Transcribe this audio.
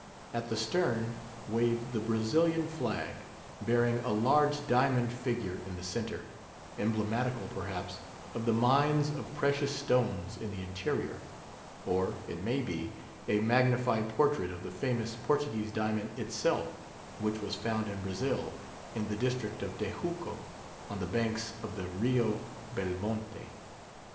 At the stern waved the Brazilian flag, bearing a large diamond figure in the centre, emblematical, perhaps, of the mines of precious stones in the interior; or, it may be, a magnified portrait of the famous "Portuguese diamond" itself, which was found in Brazil, in the district of Tejuco, on the banks of the Rio Belmonte.